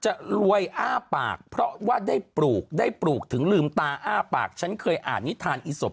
จะรวยอ้าปากเพราะว่าได้ปลูกได้ปลูกถึงลืมตาอ้าปากฉันเคยอ่านนิทานอีศพ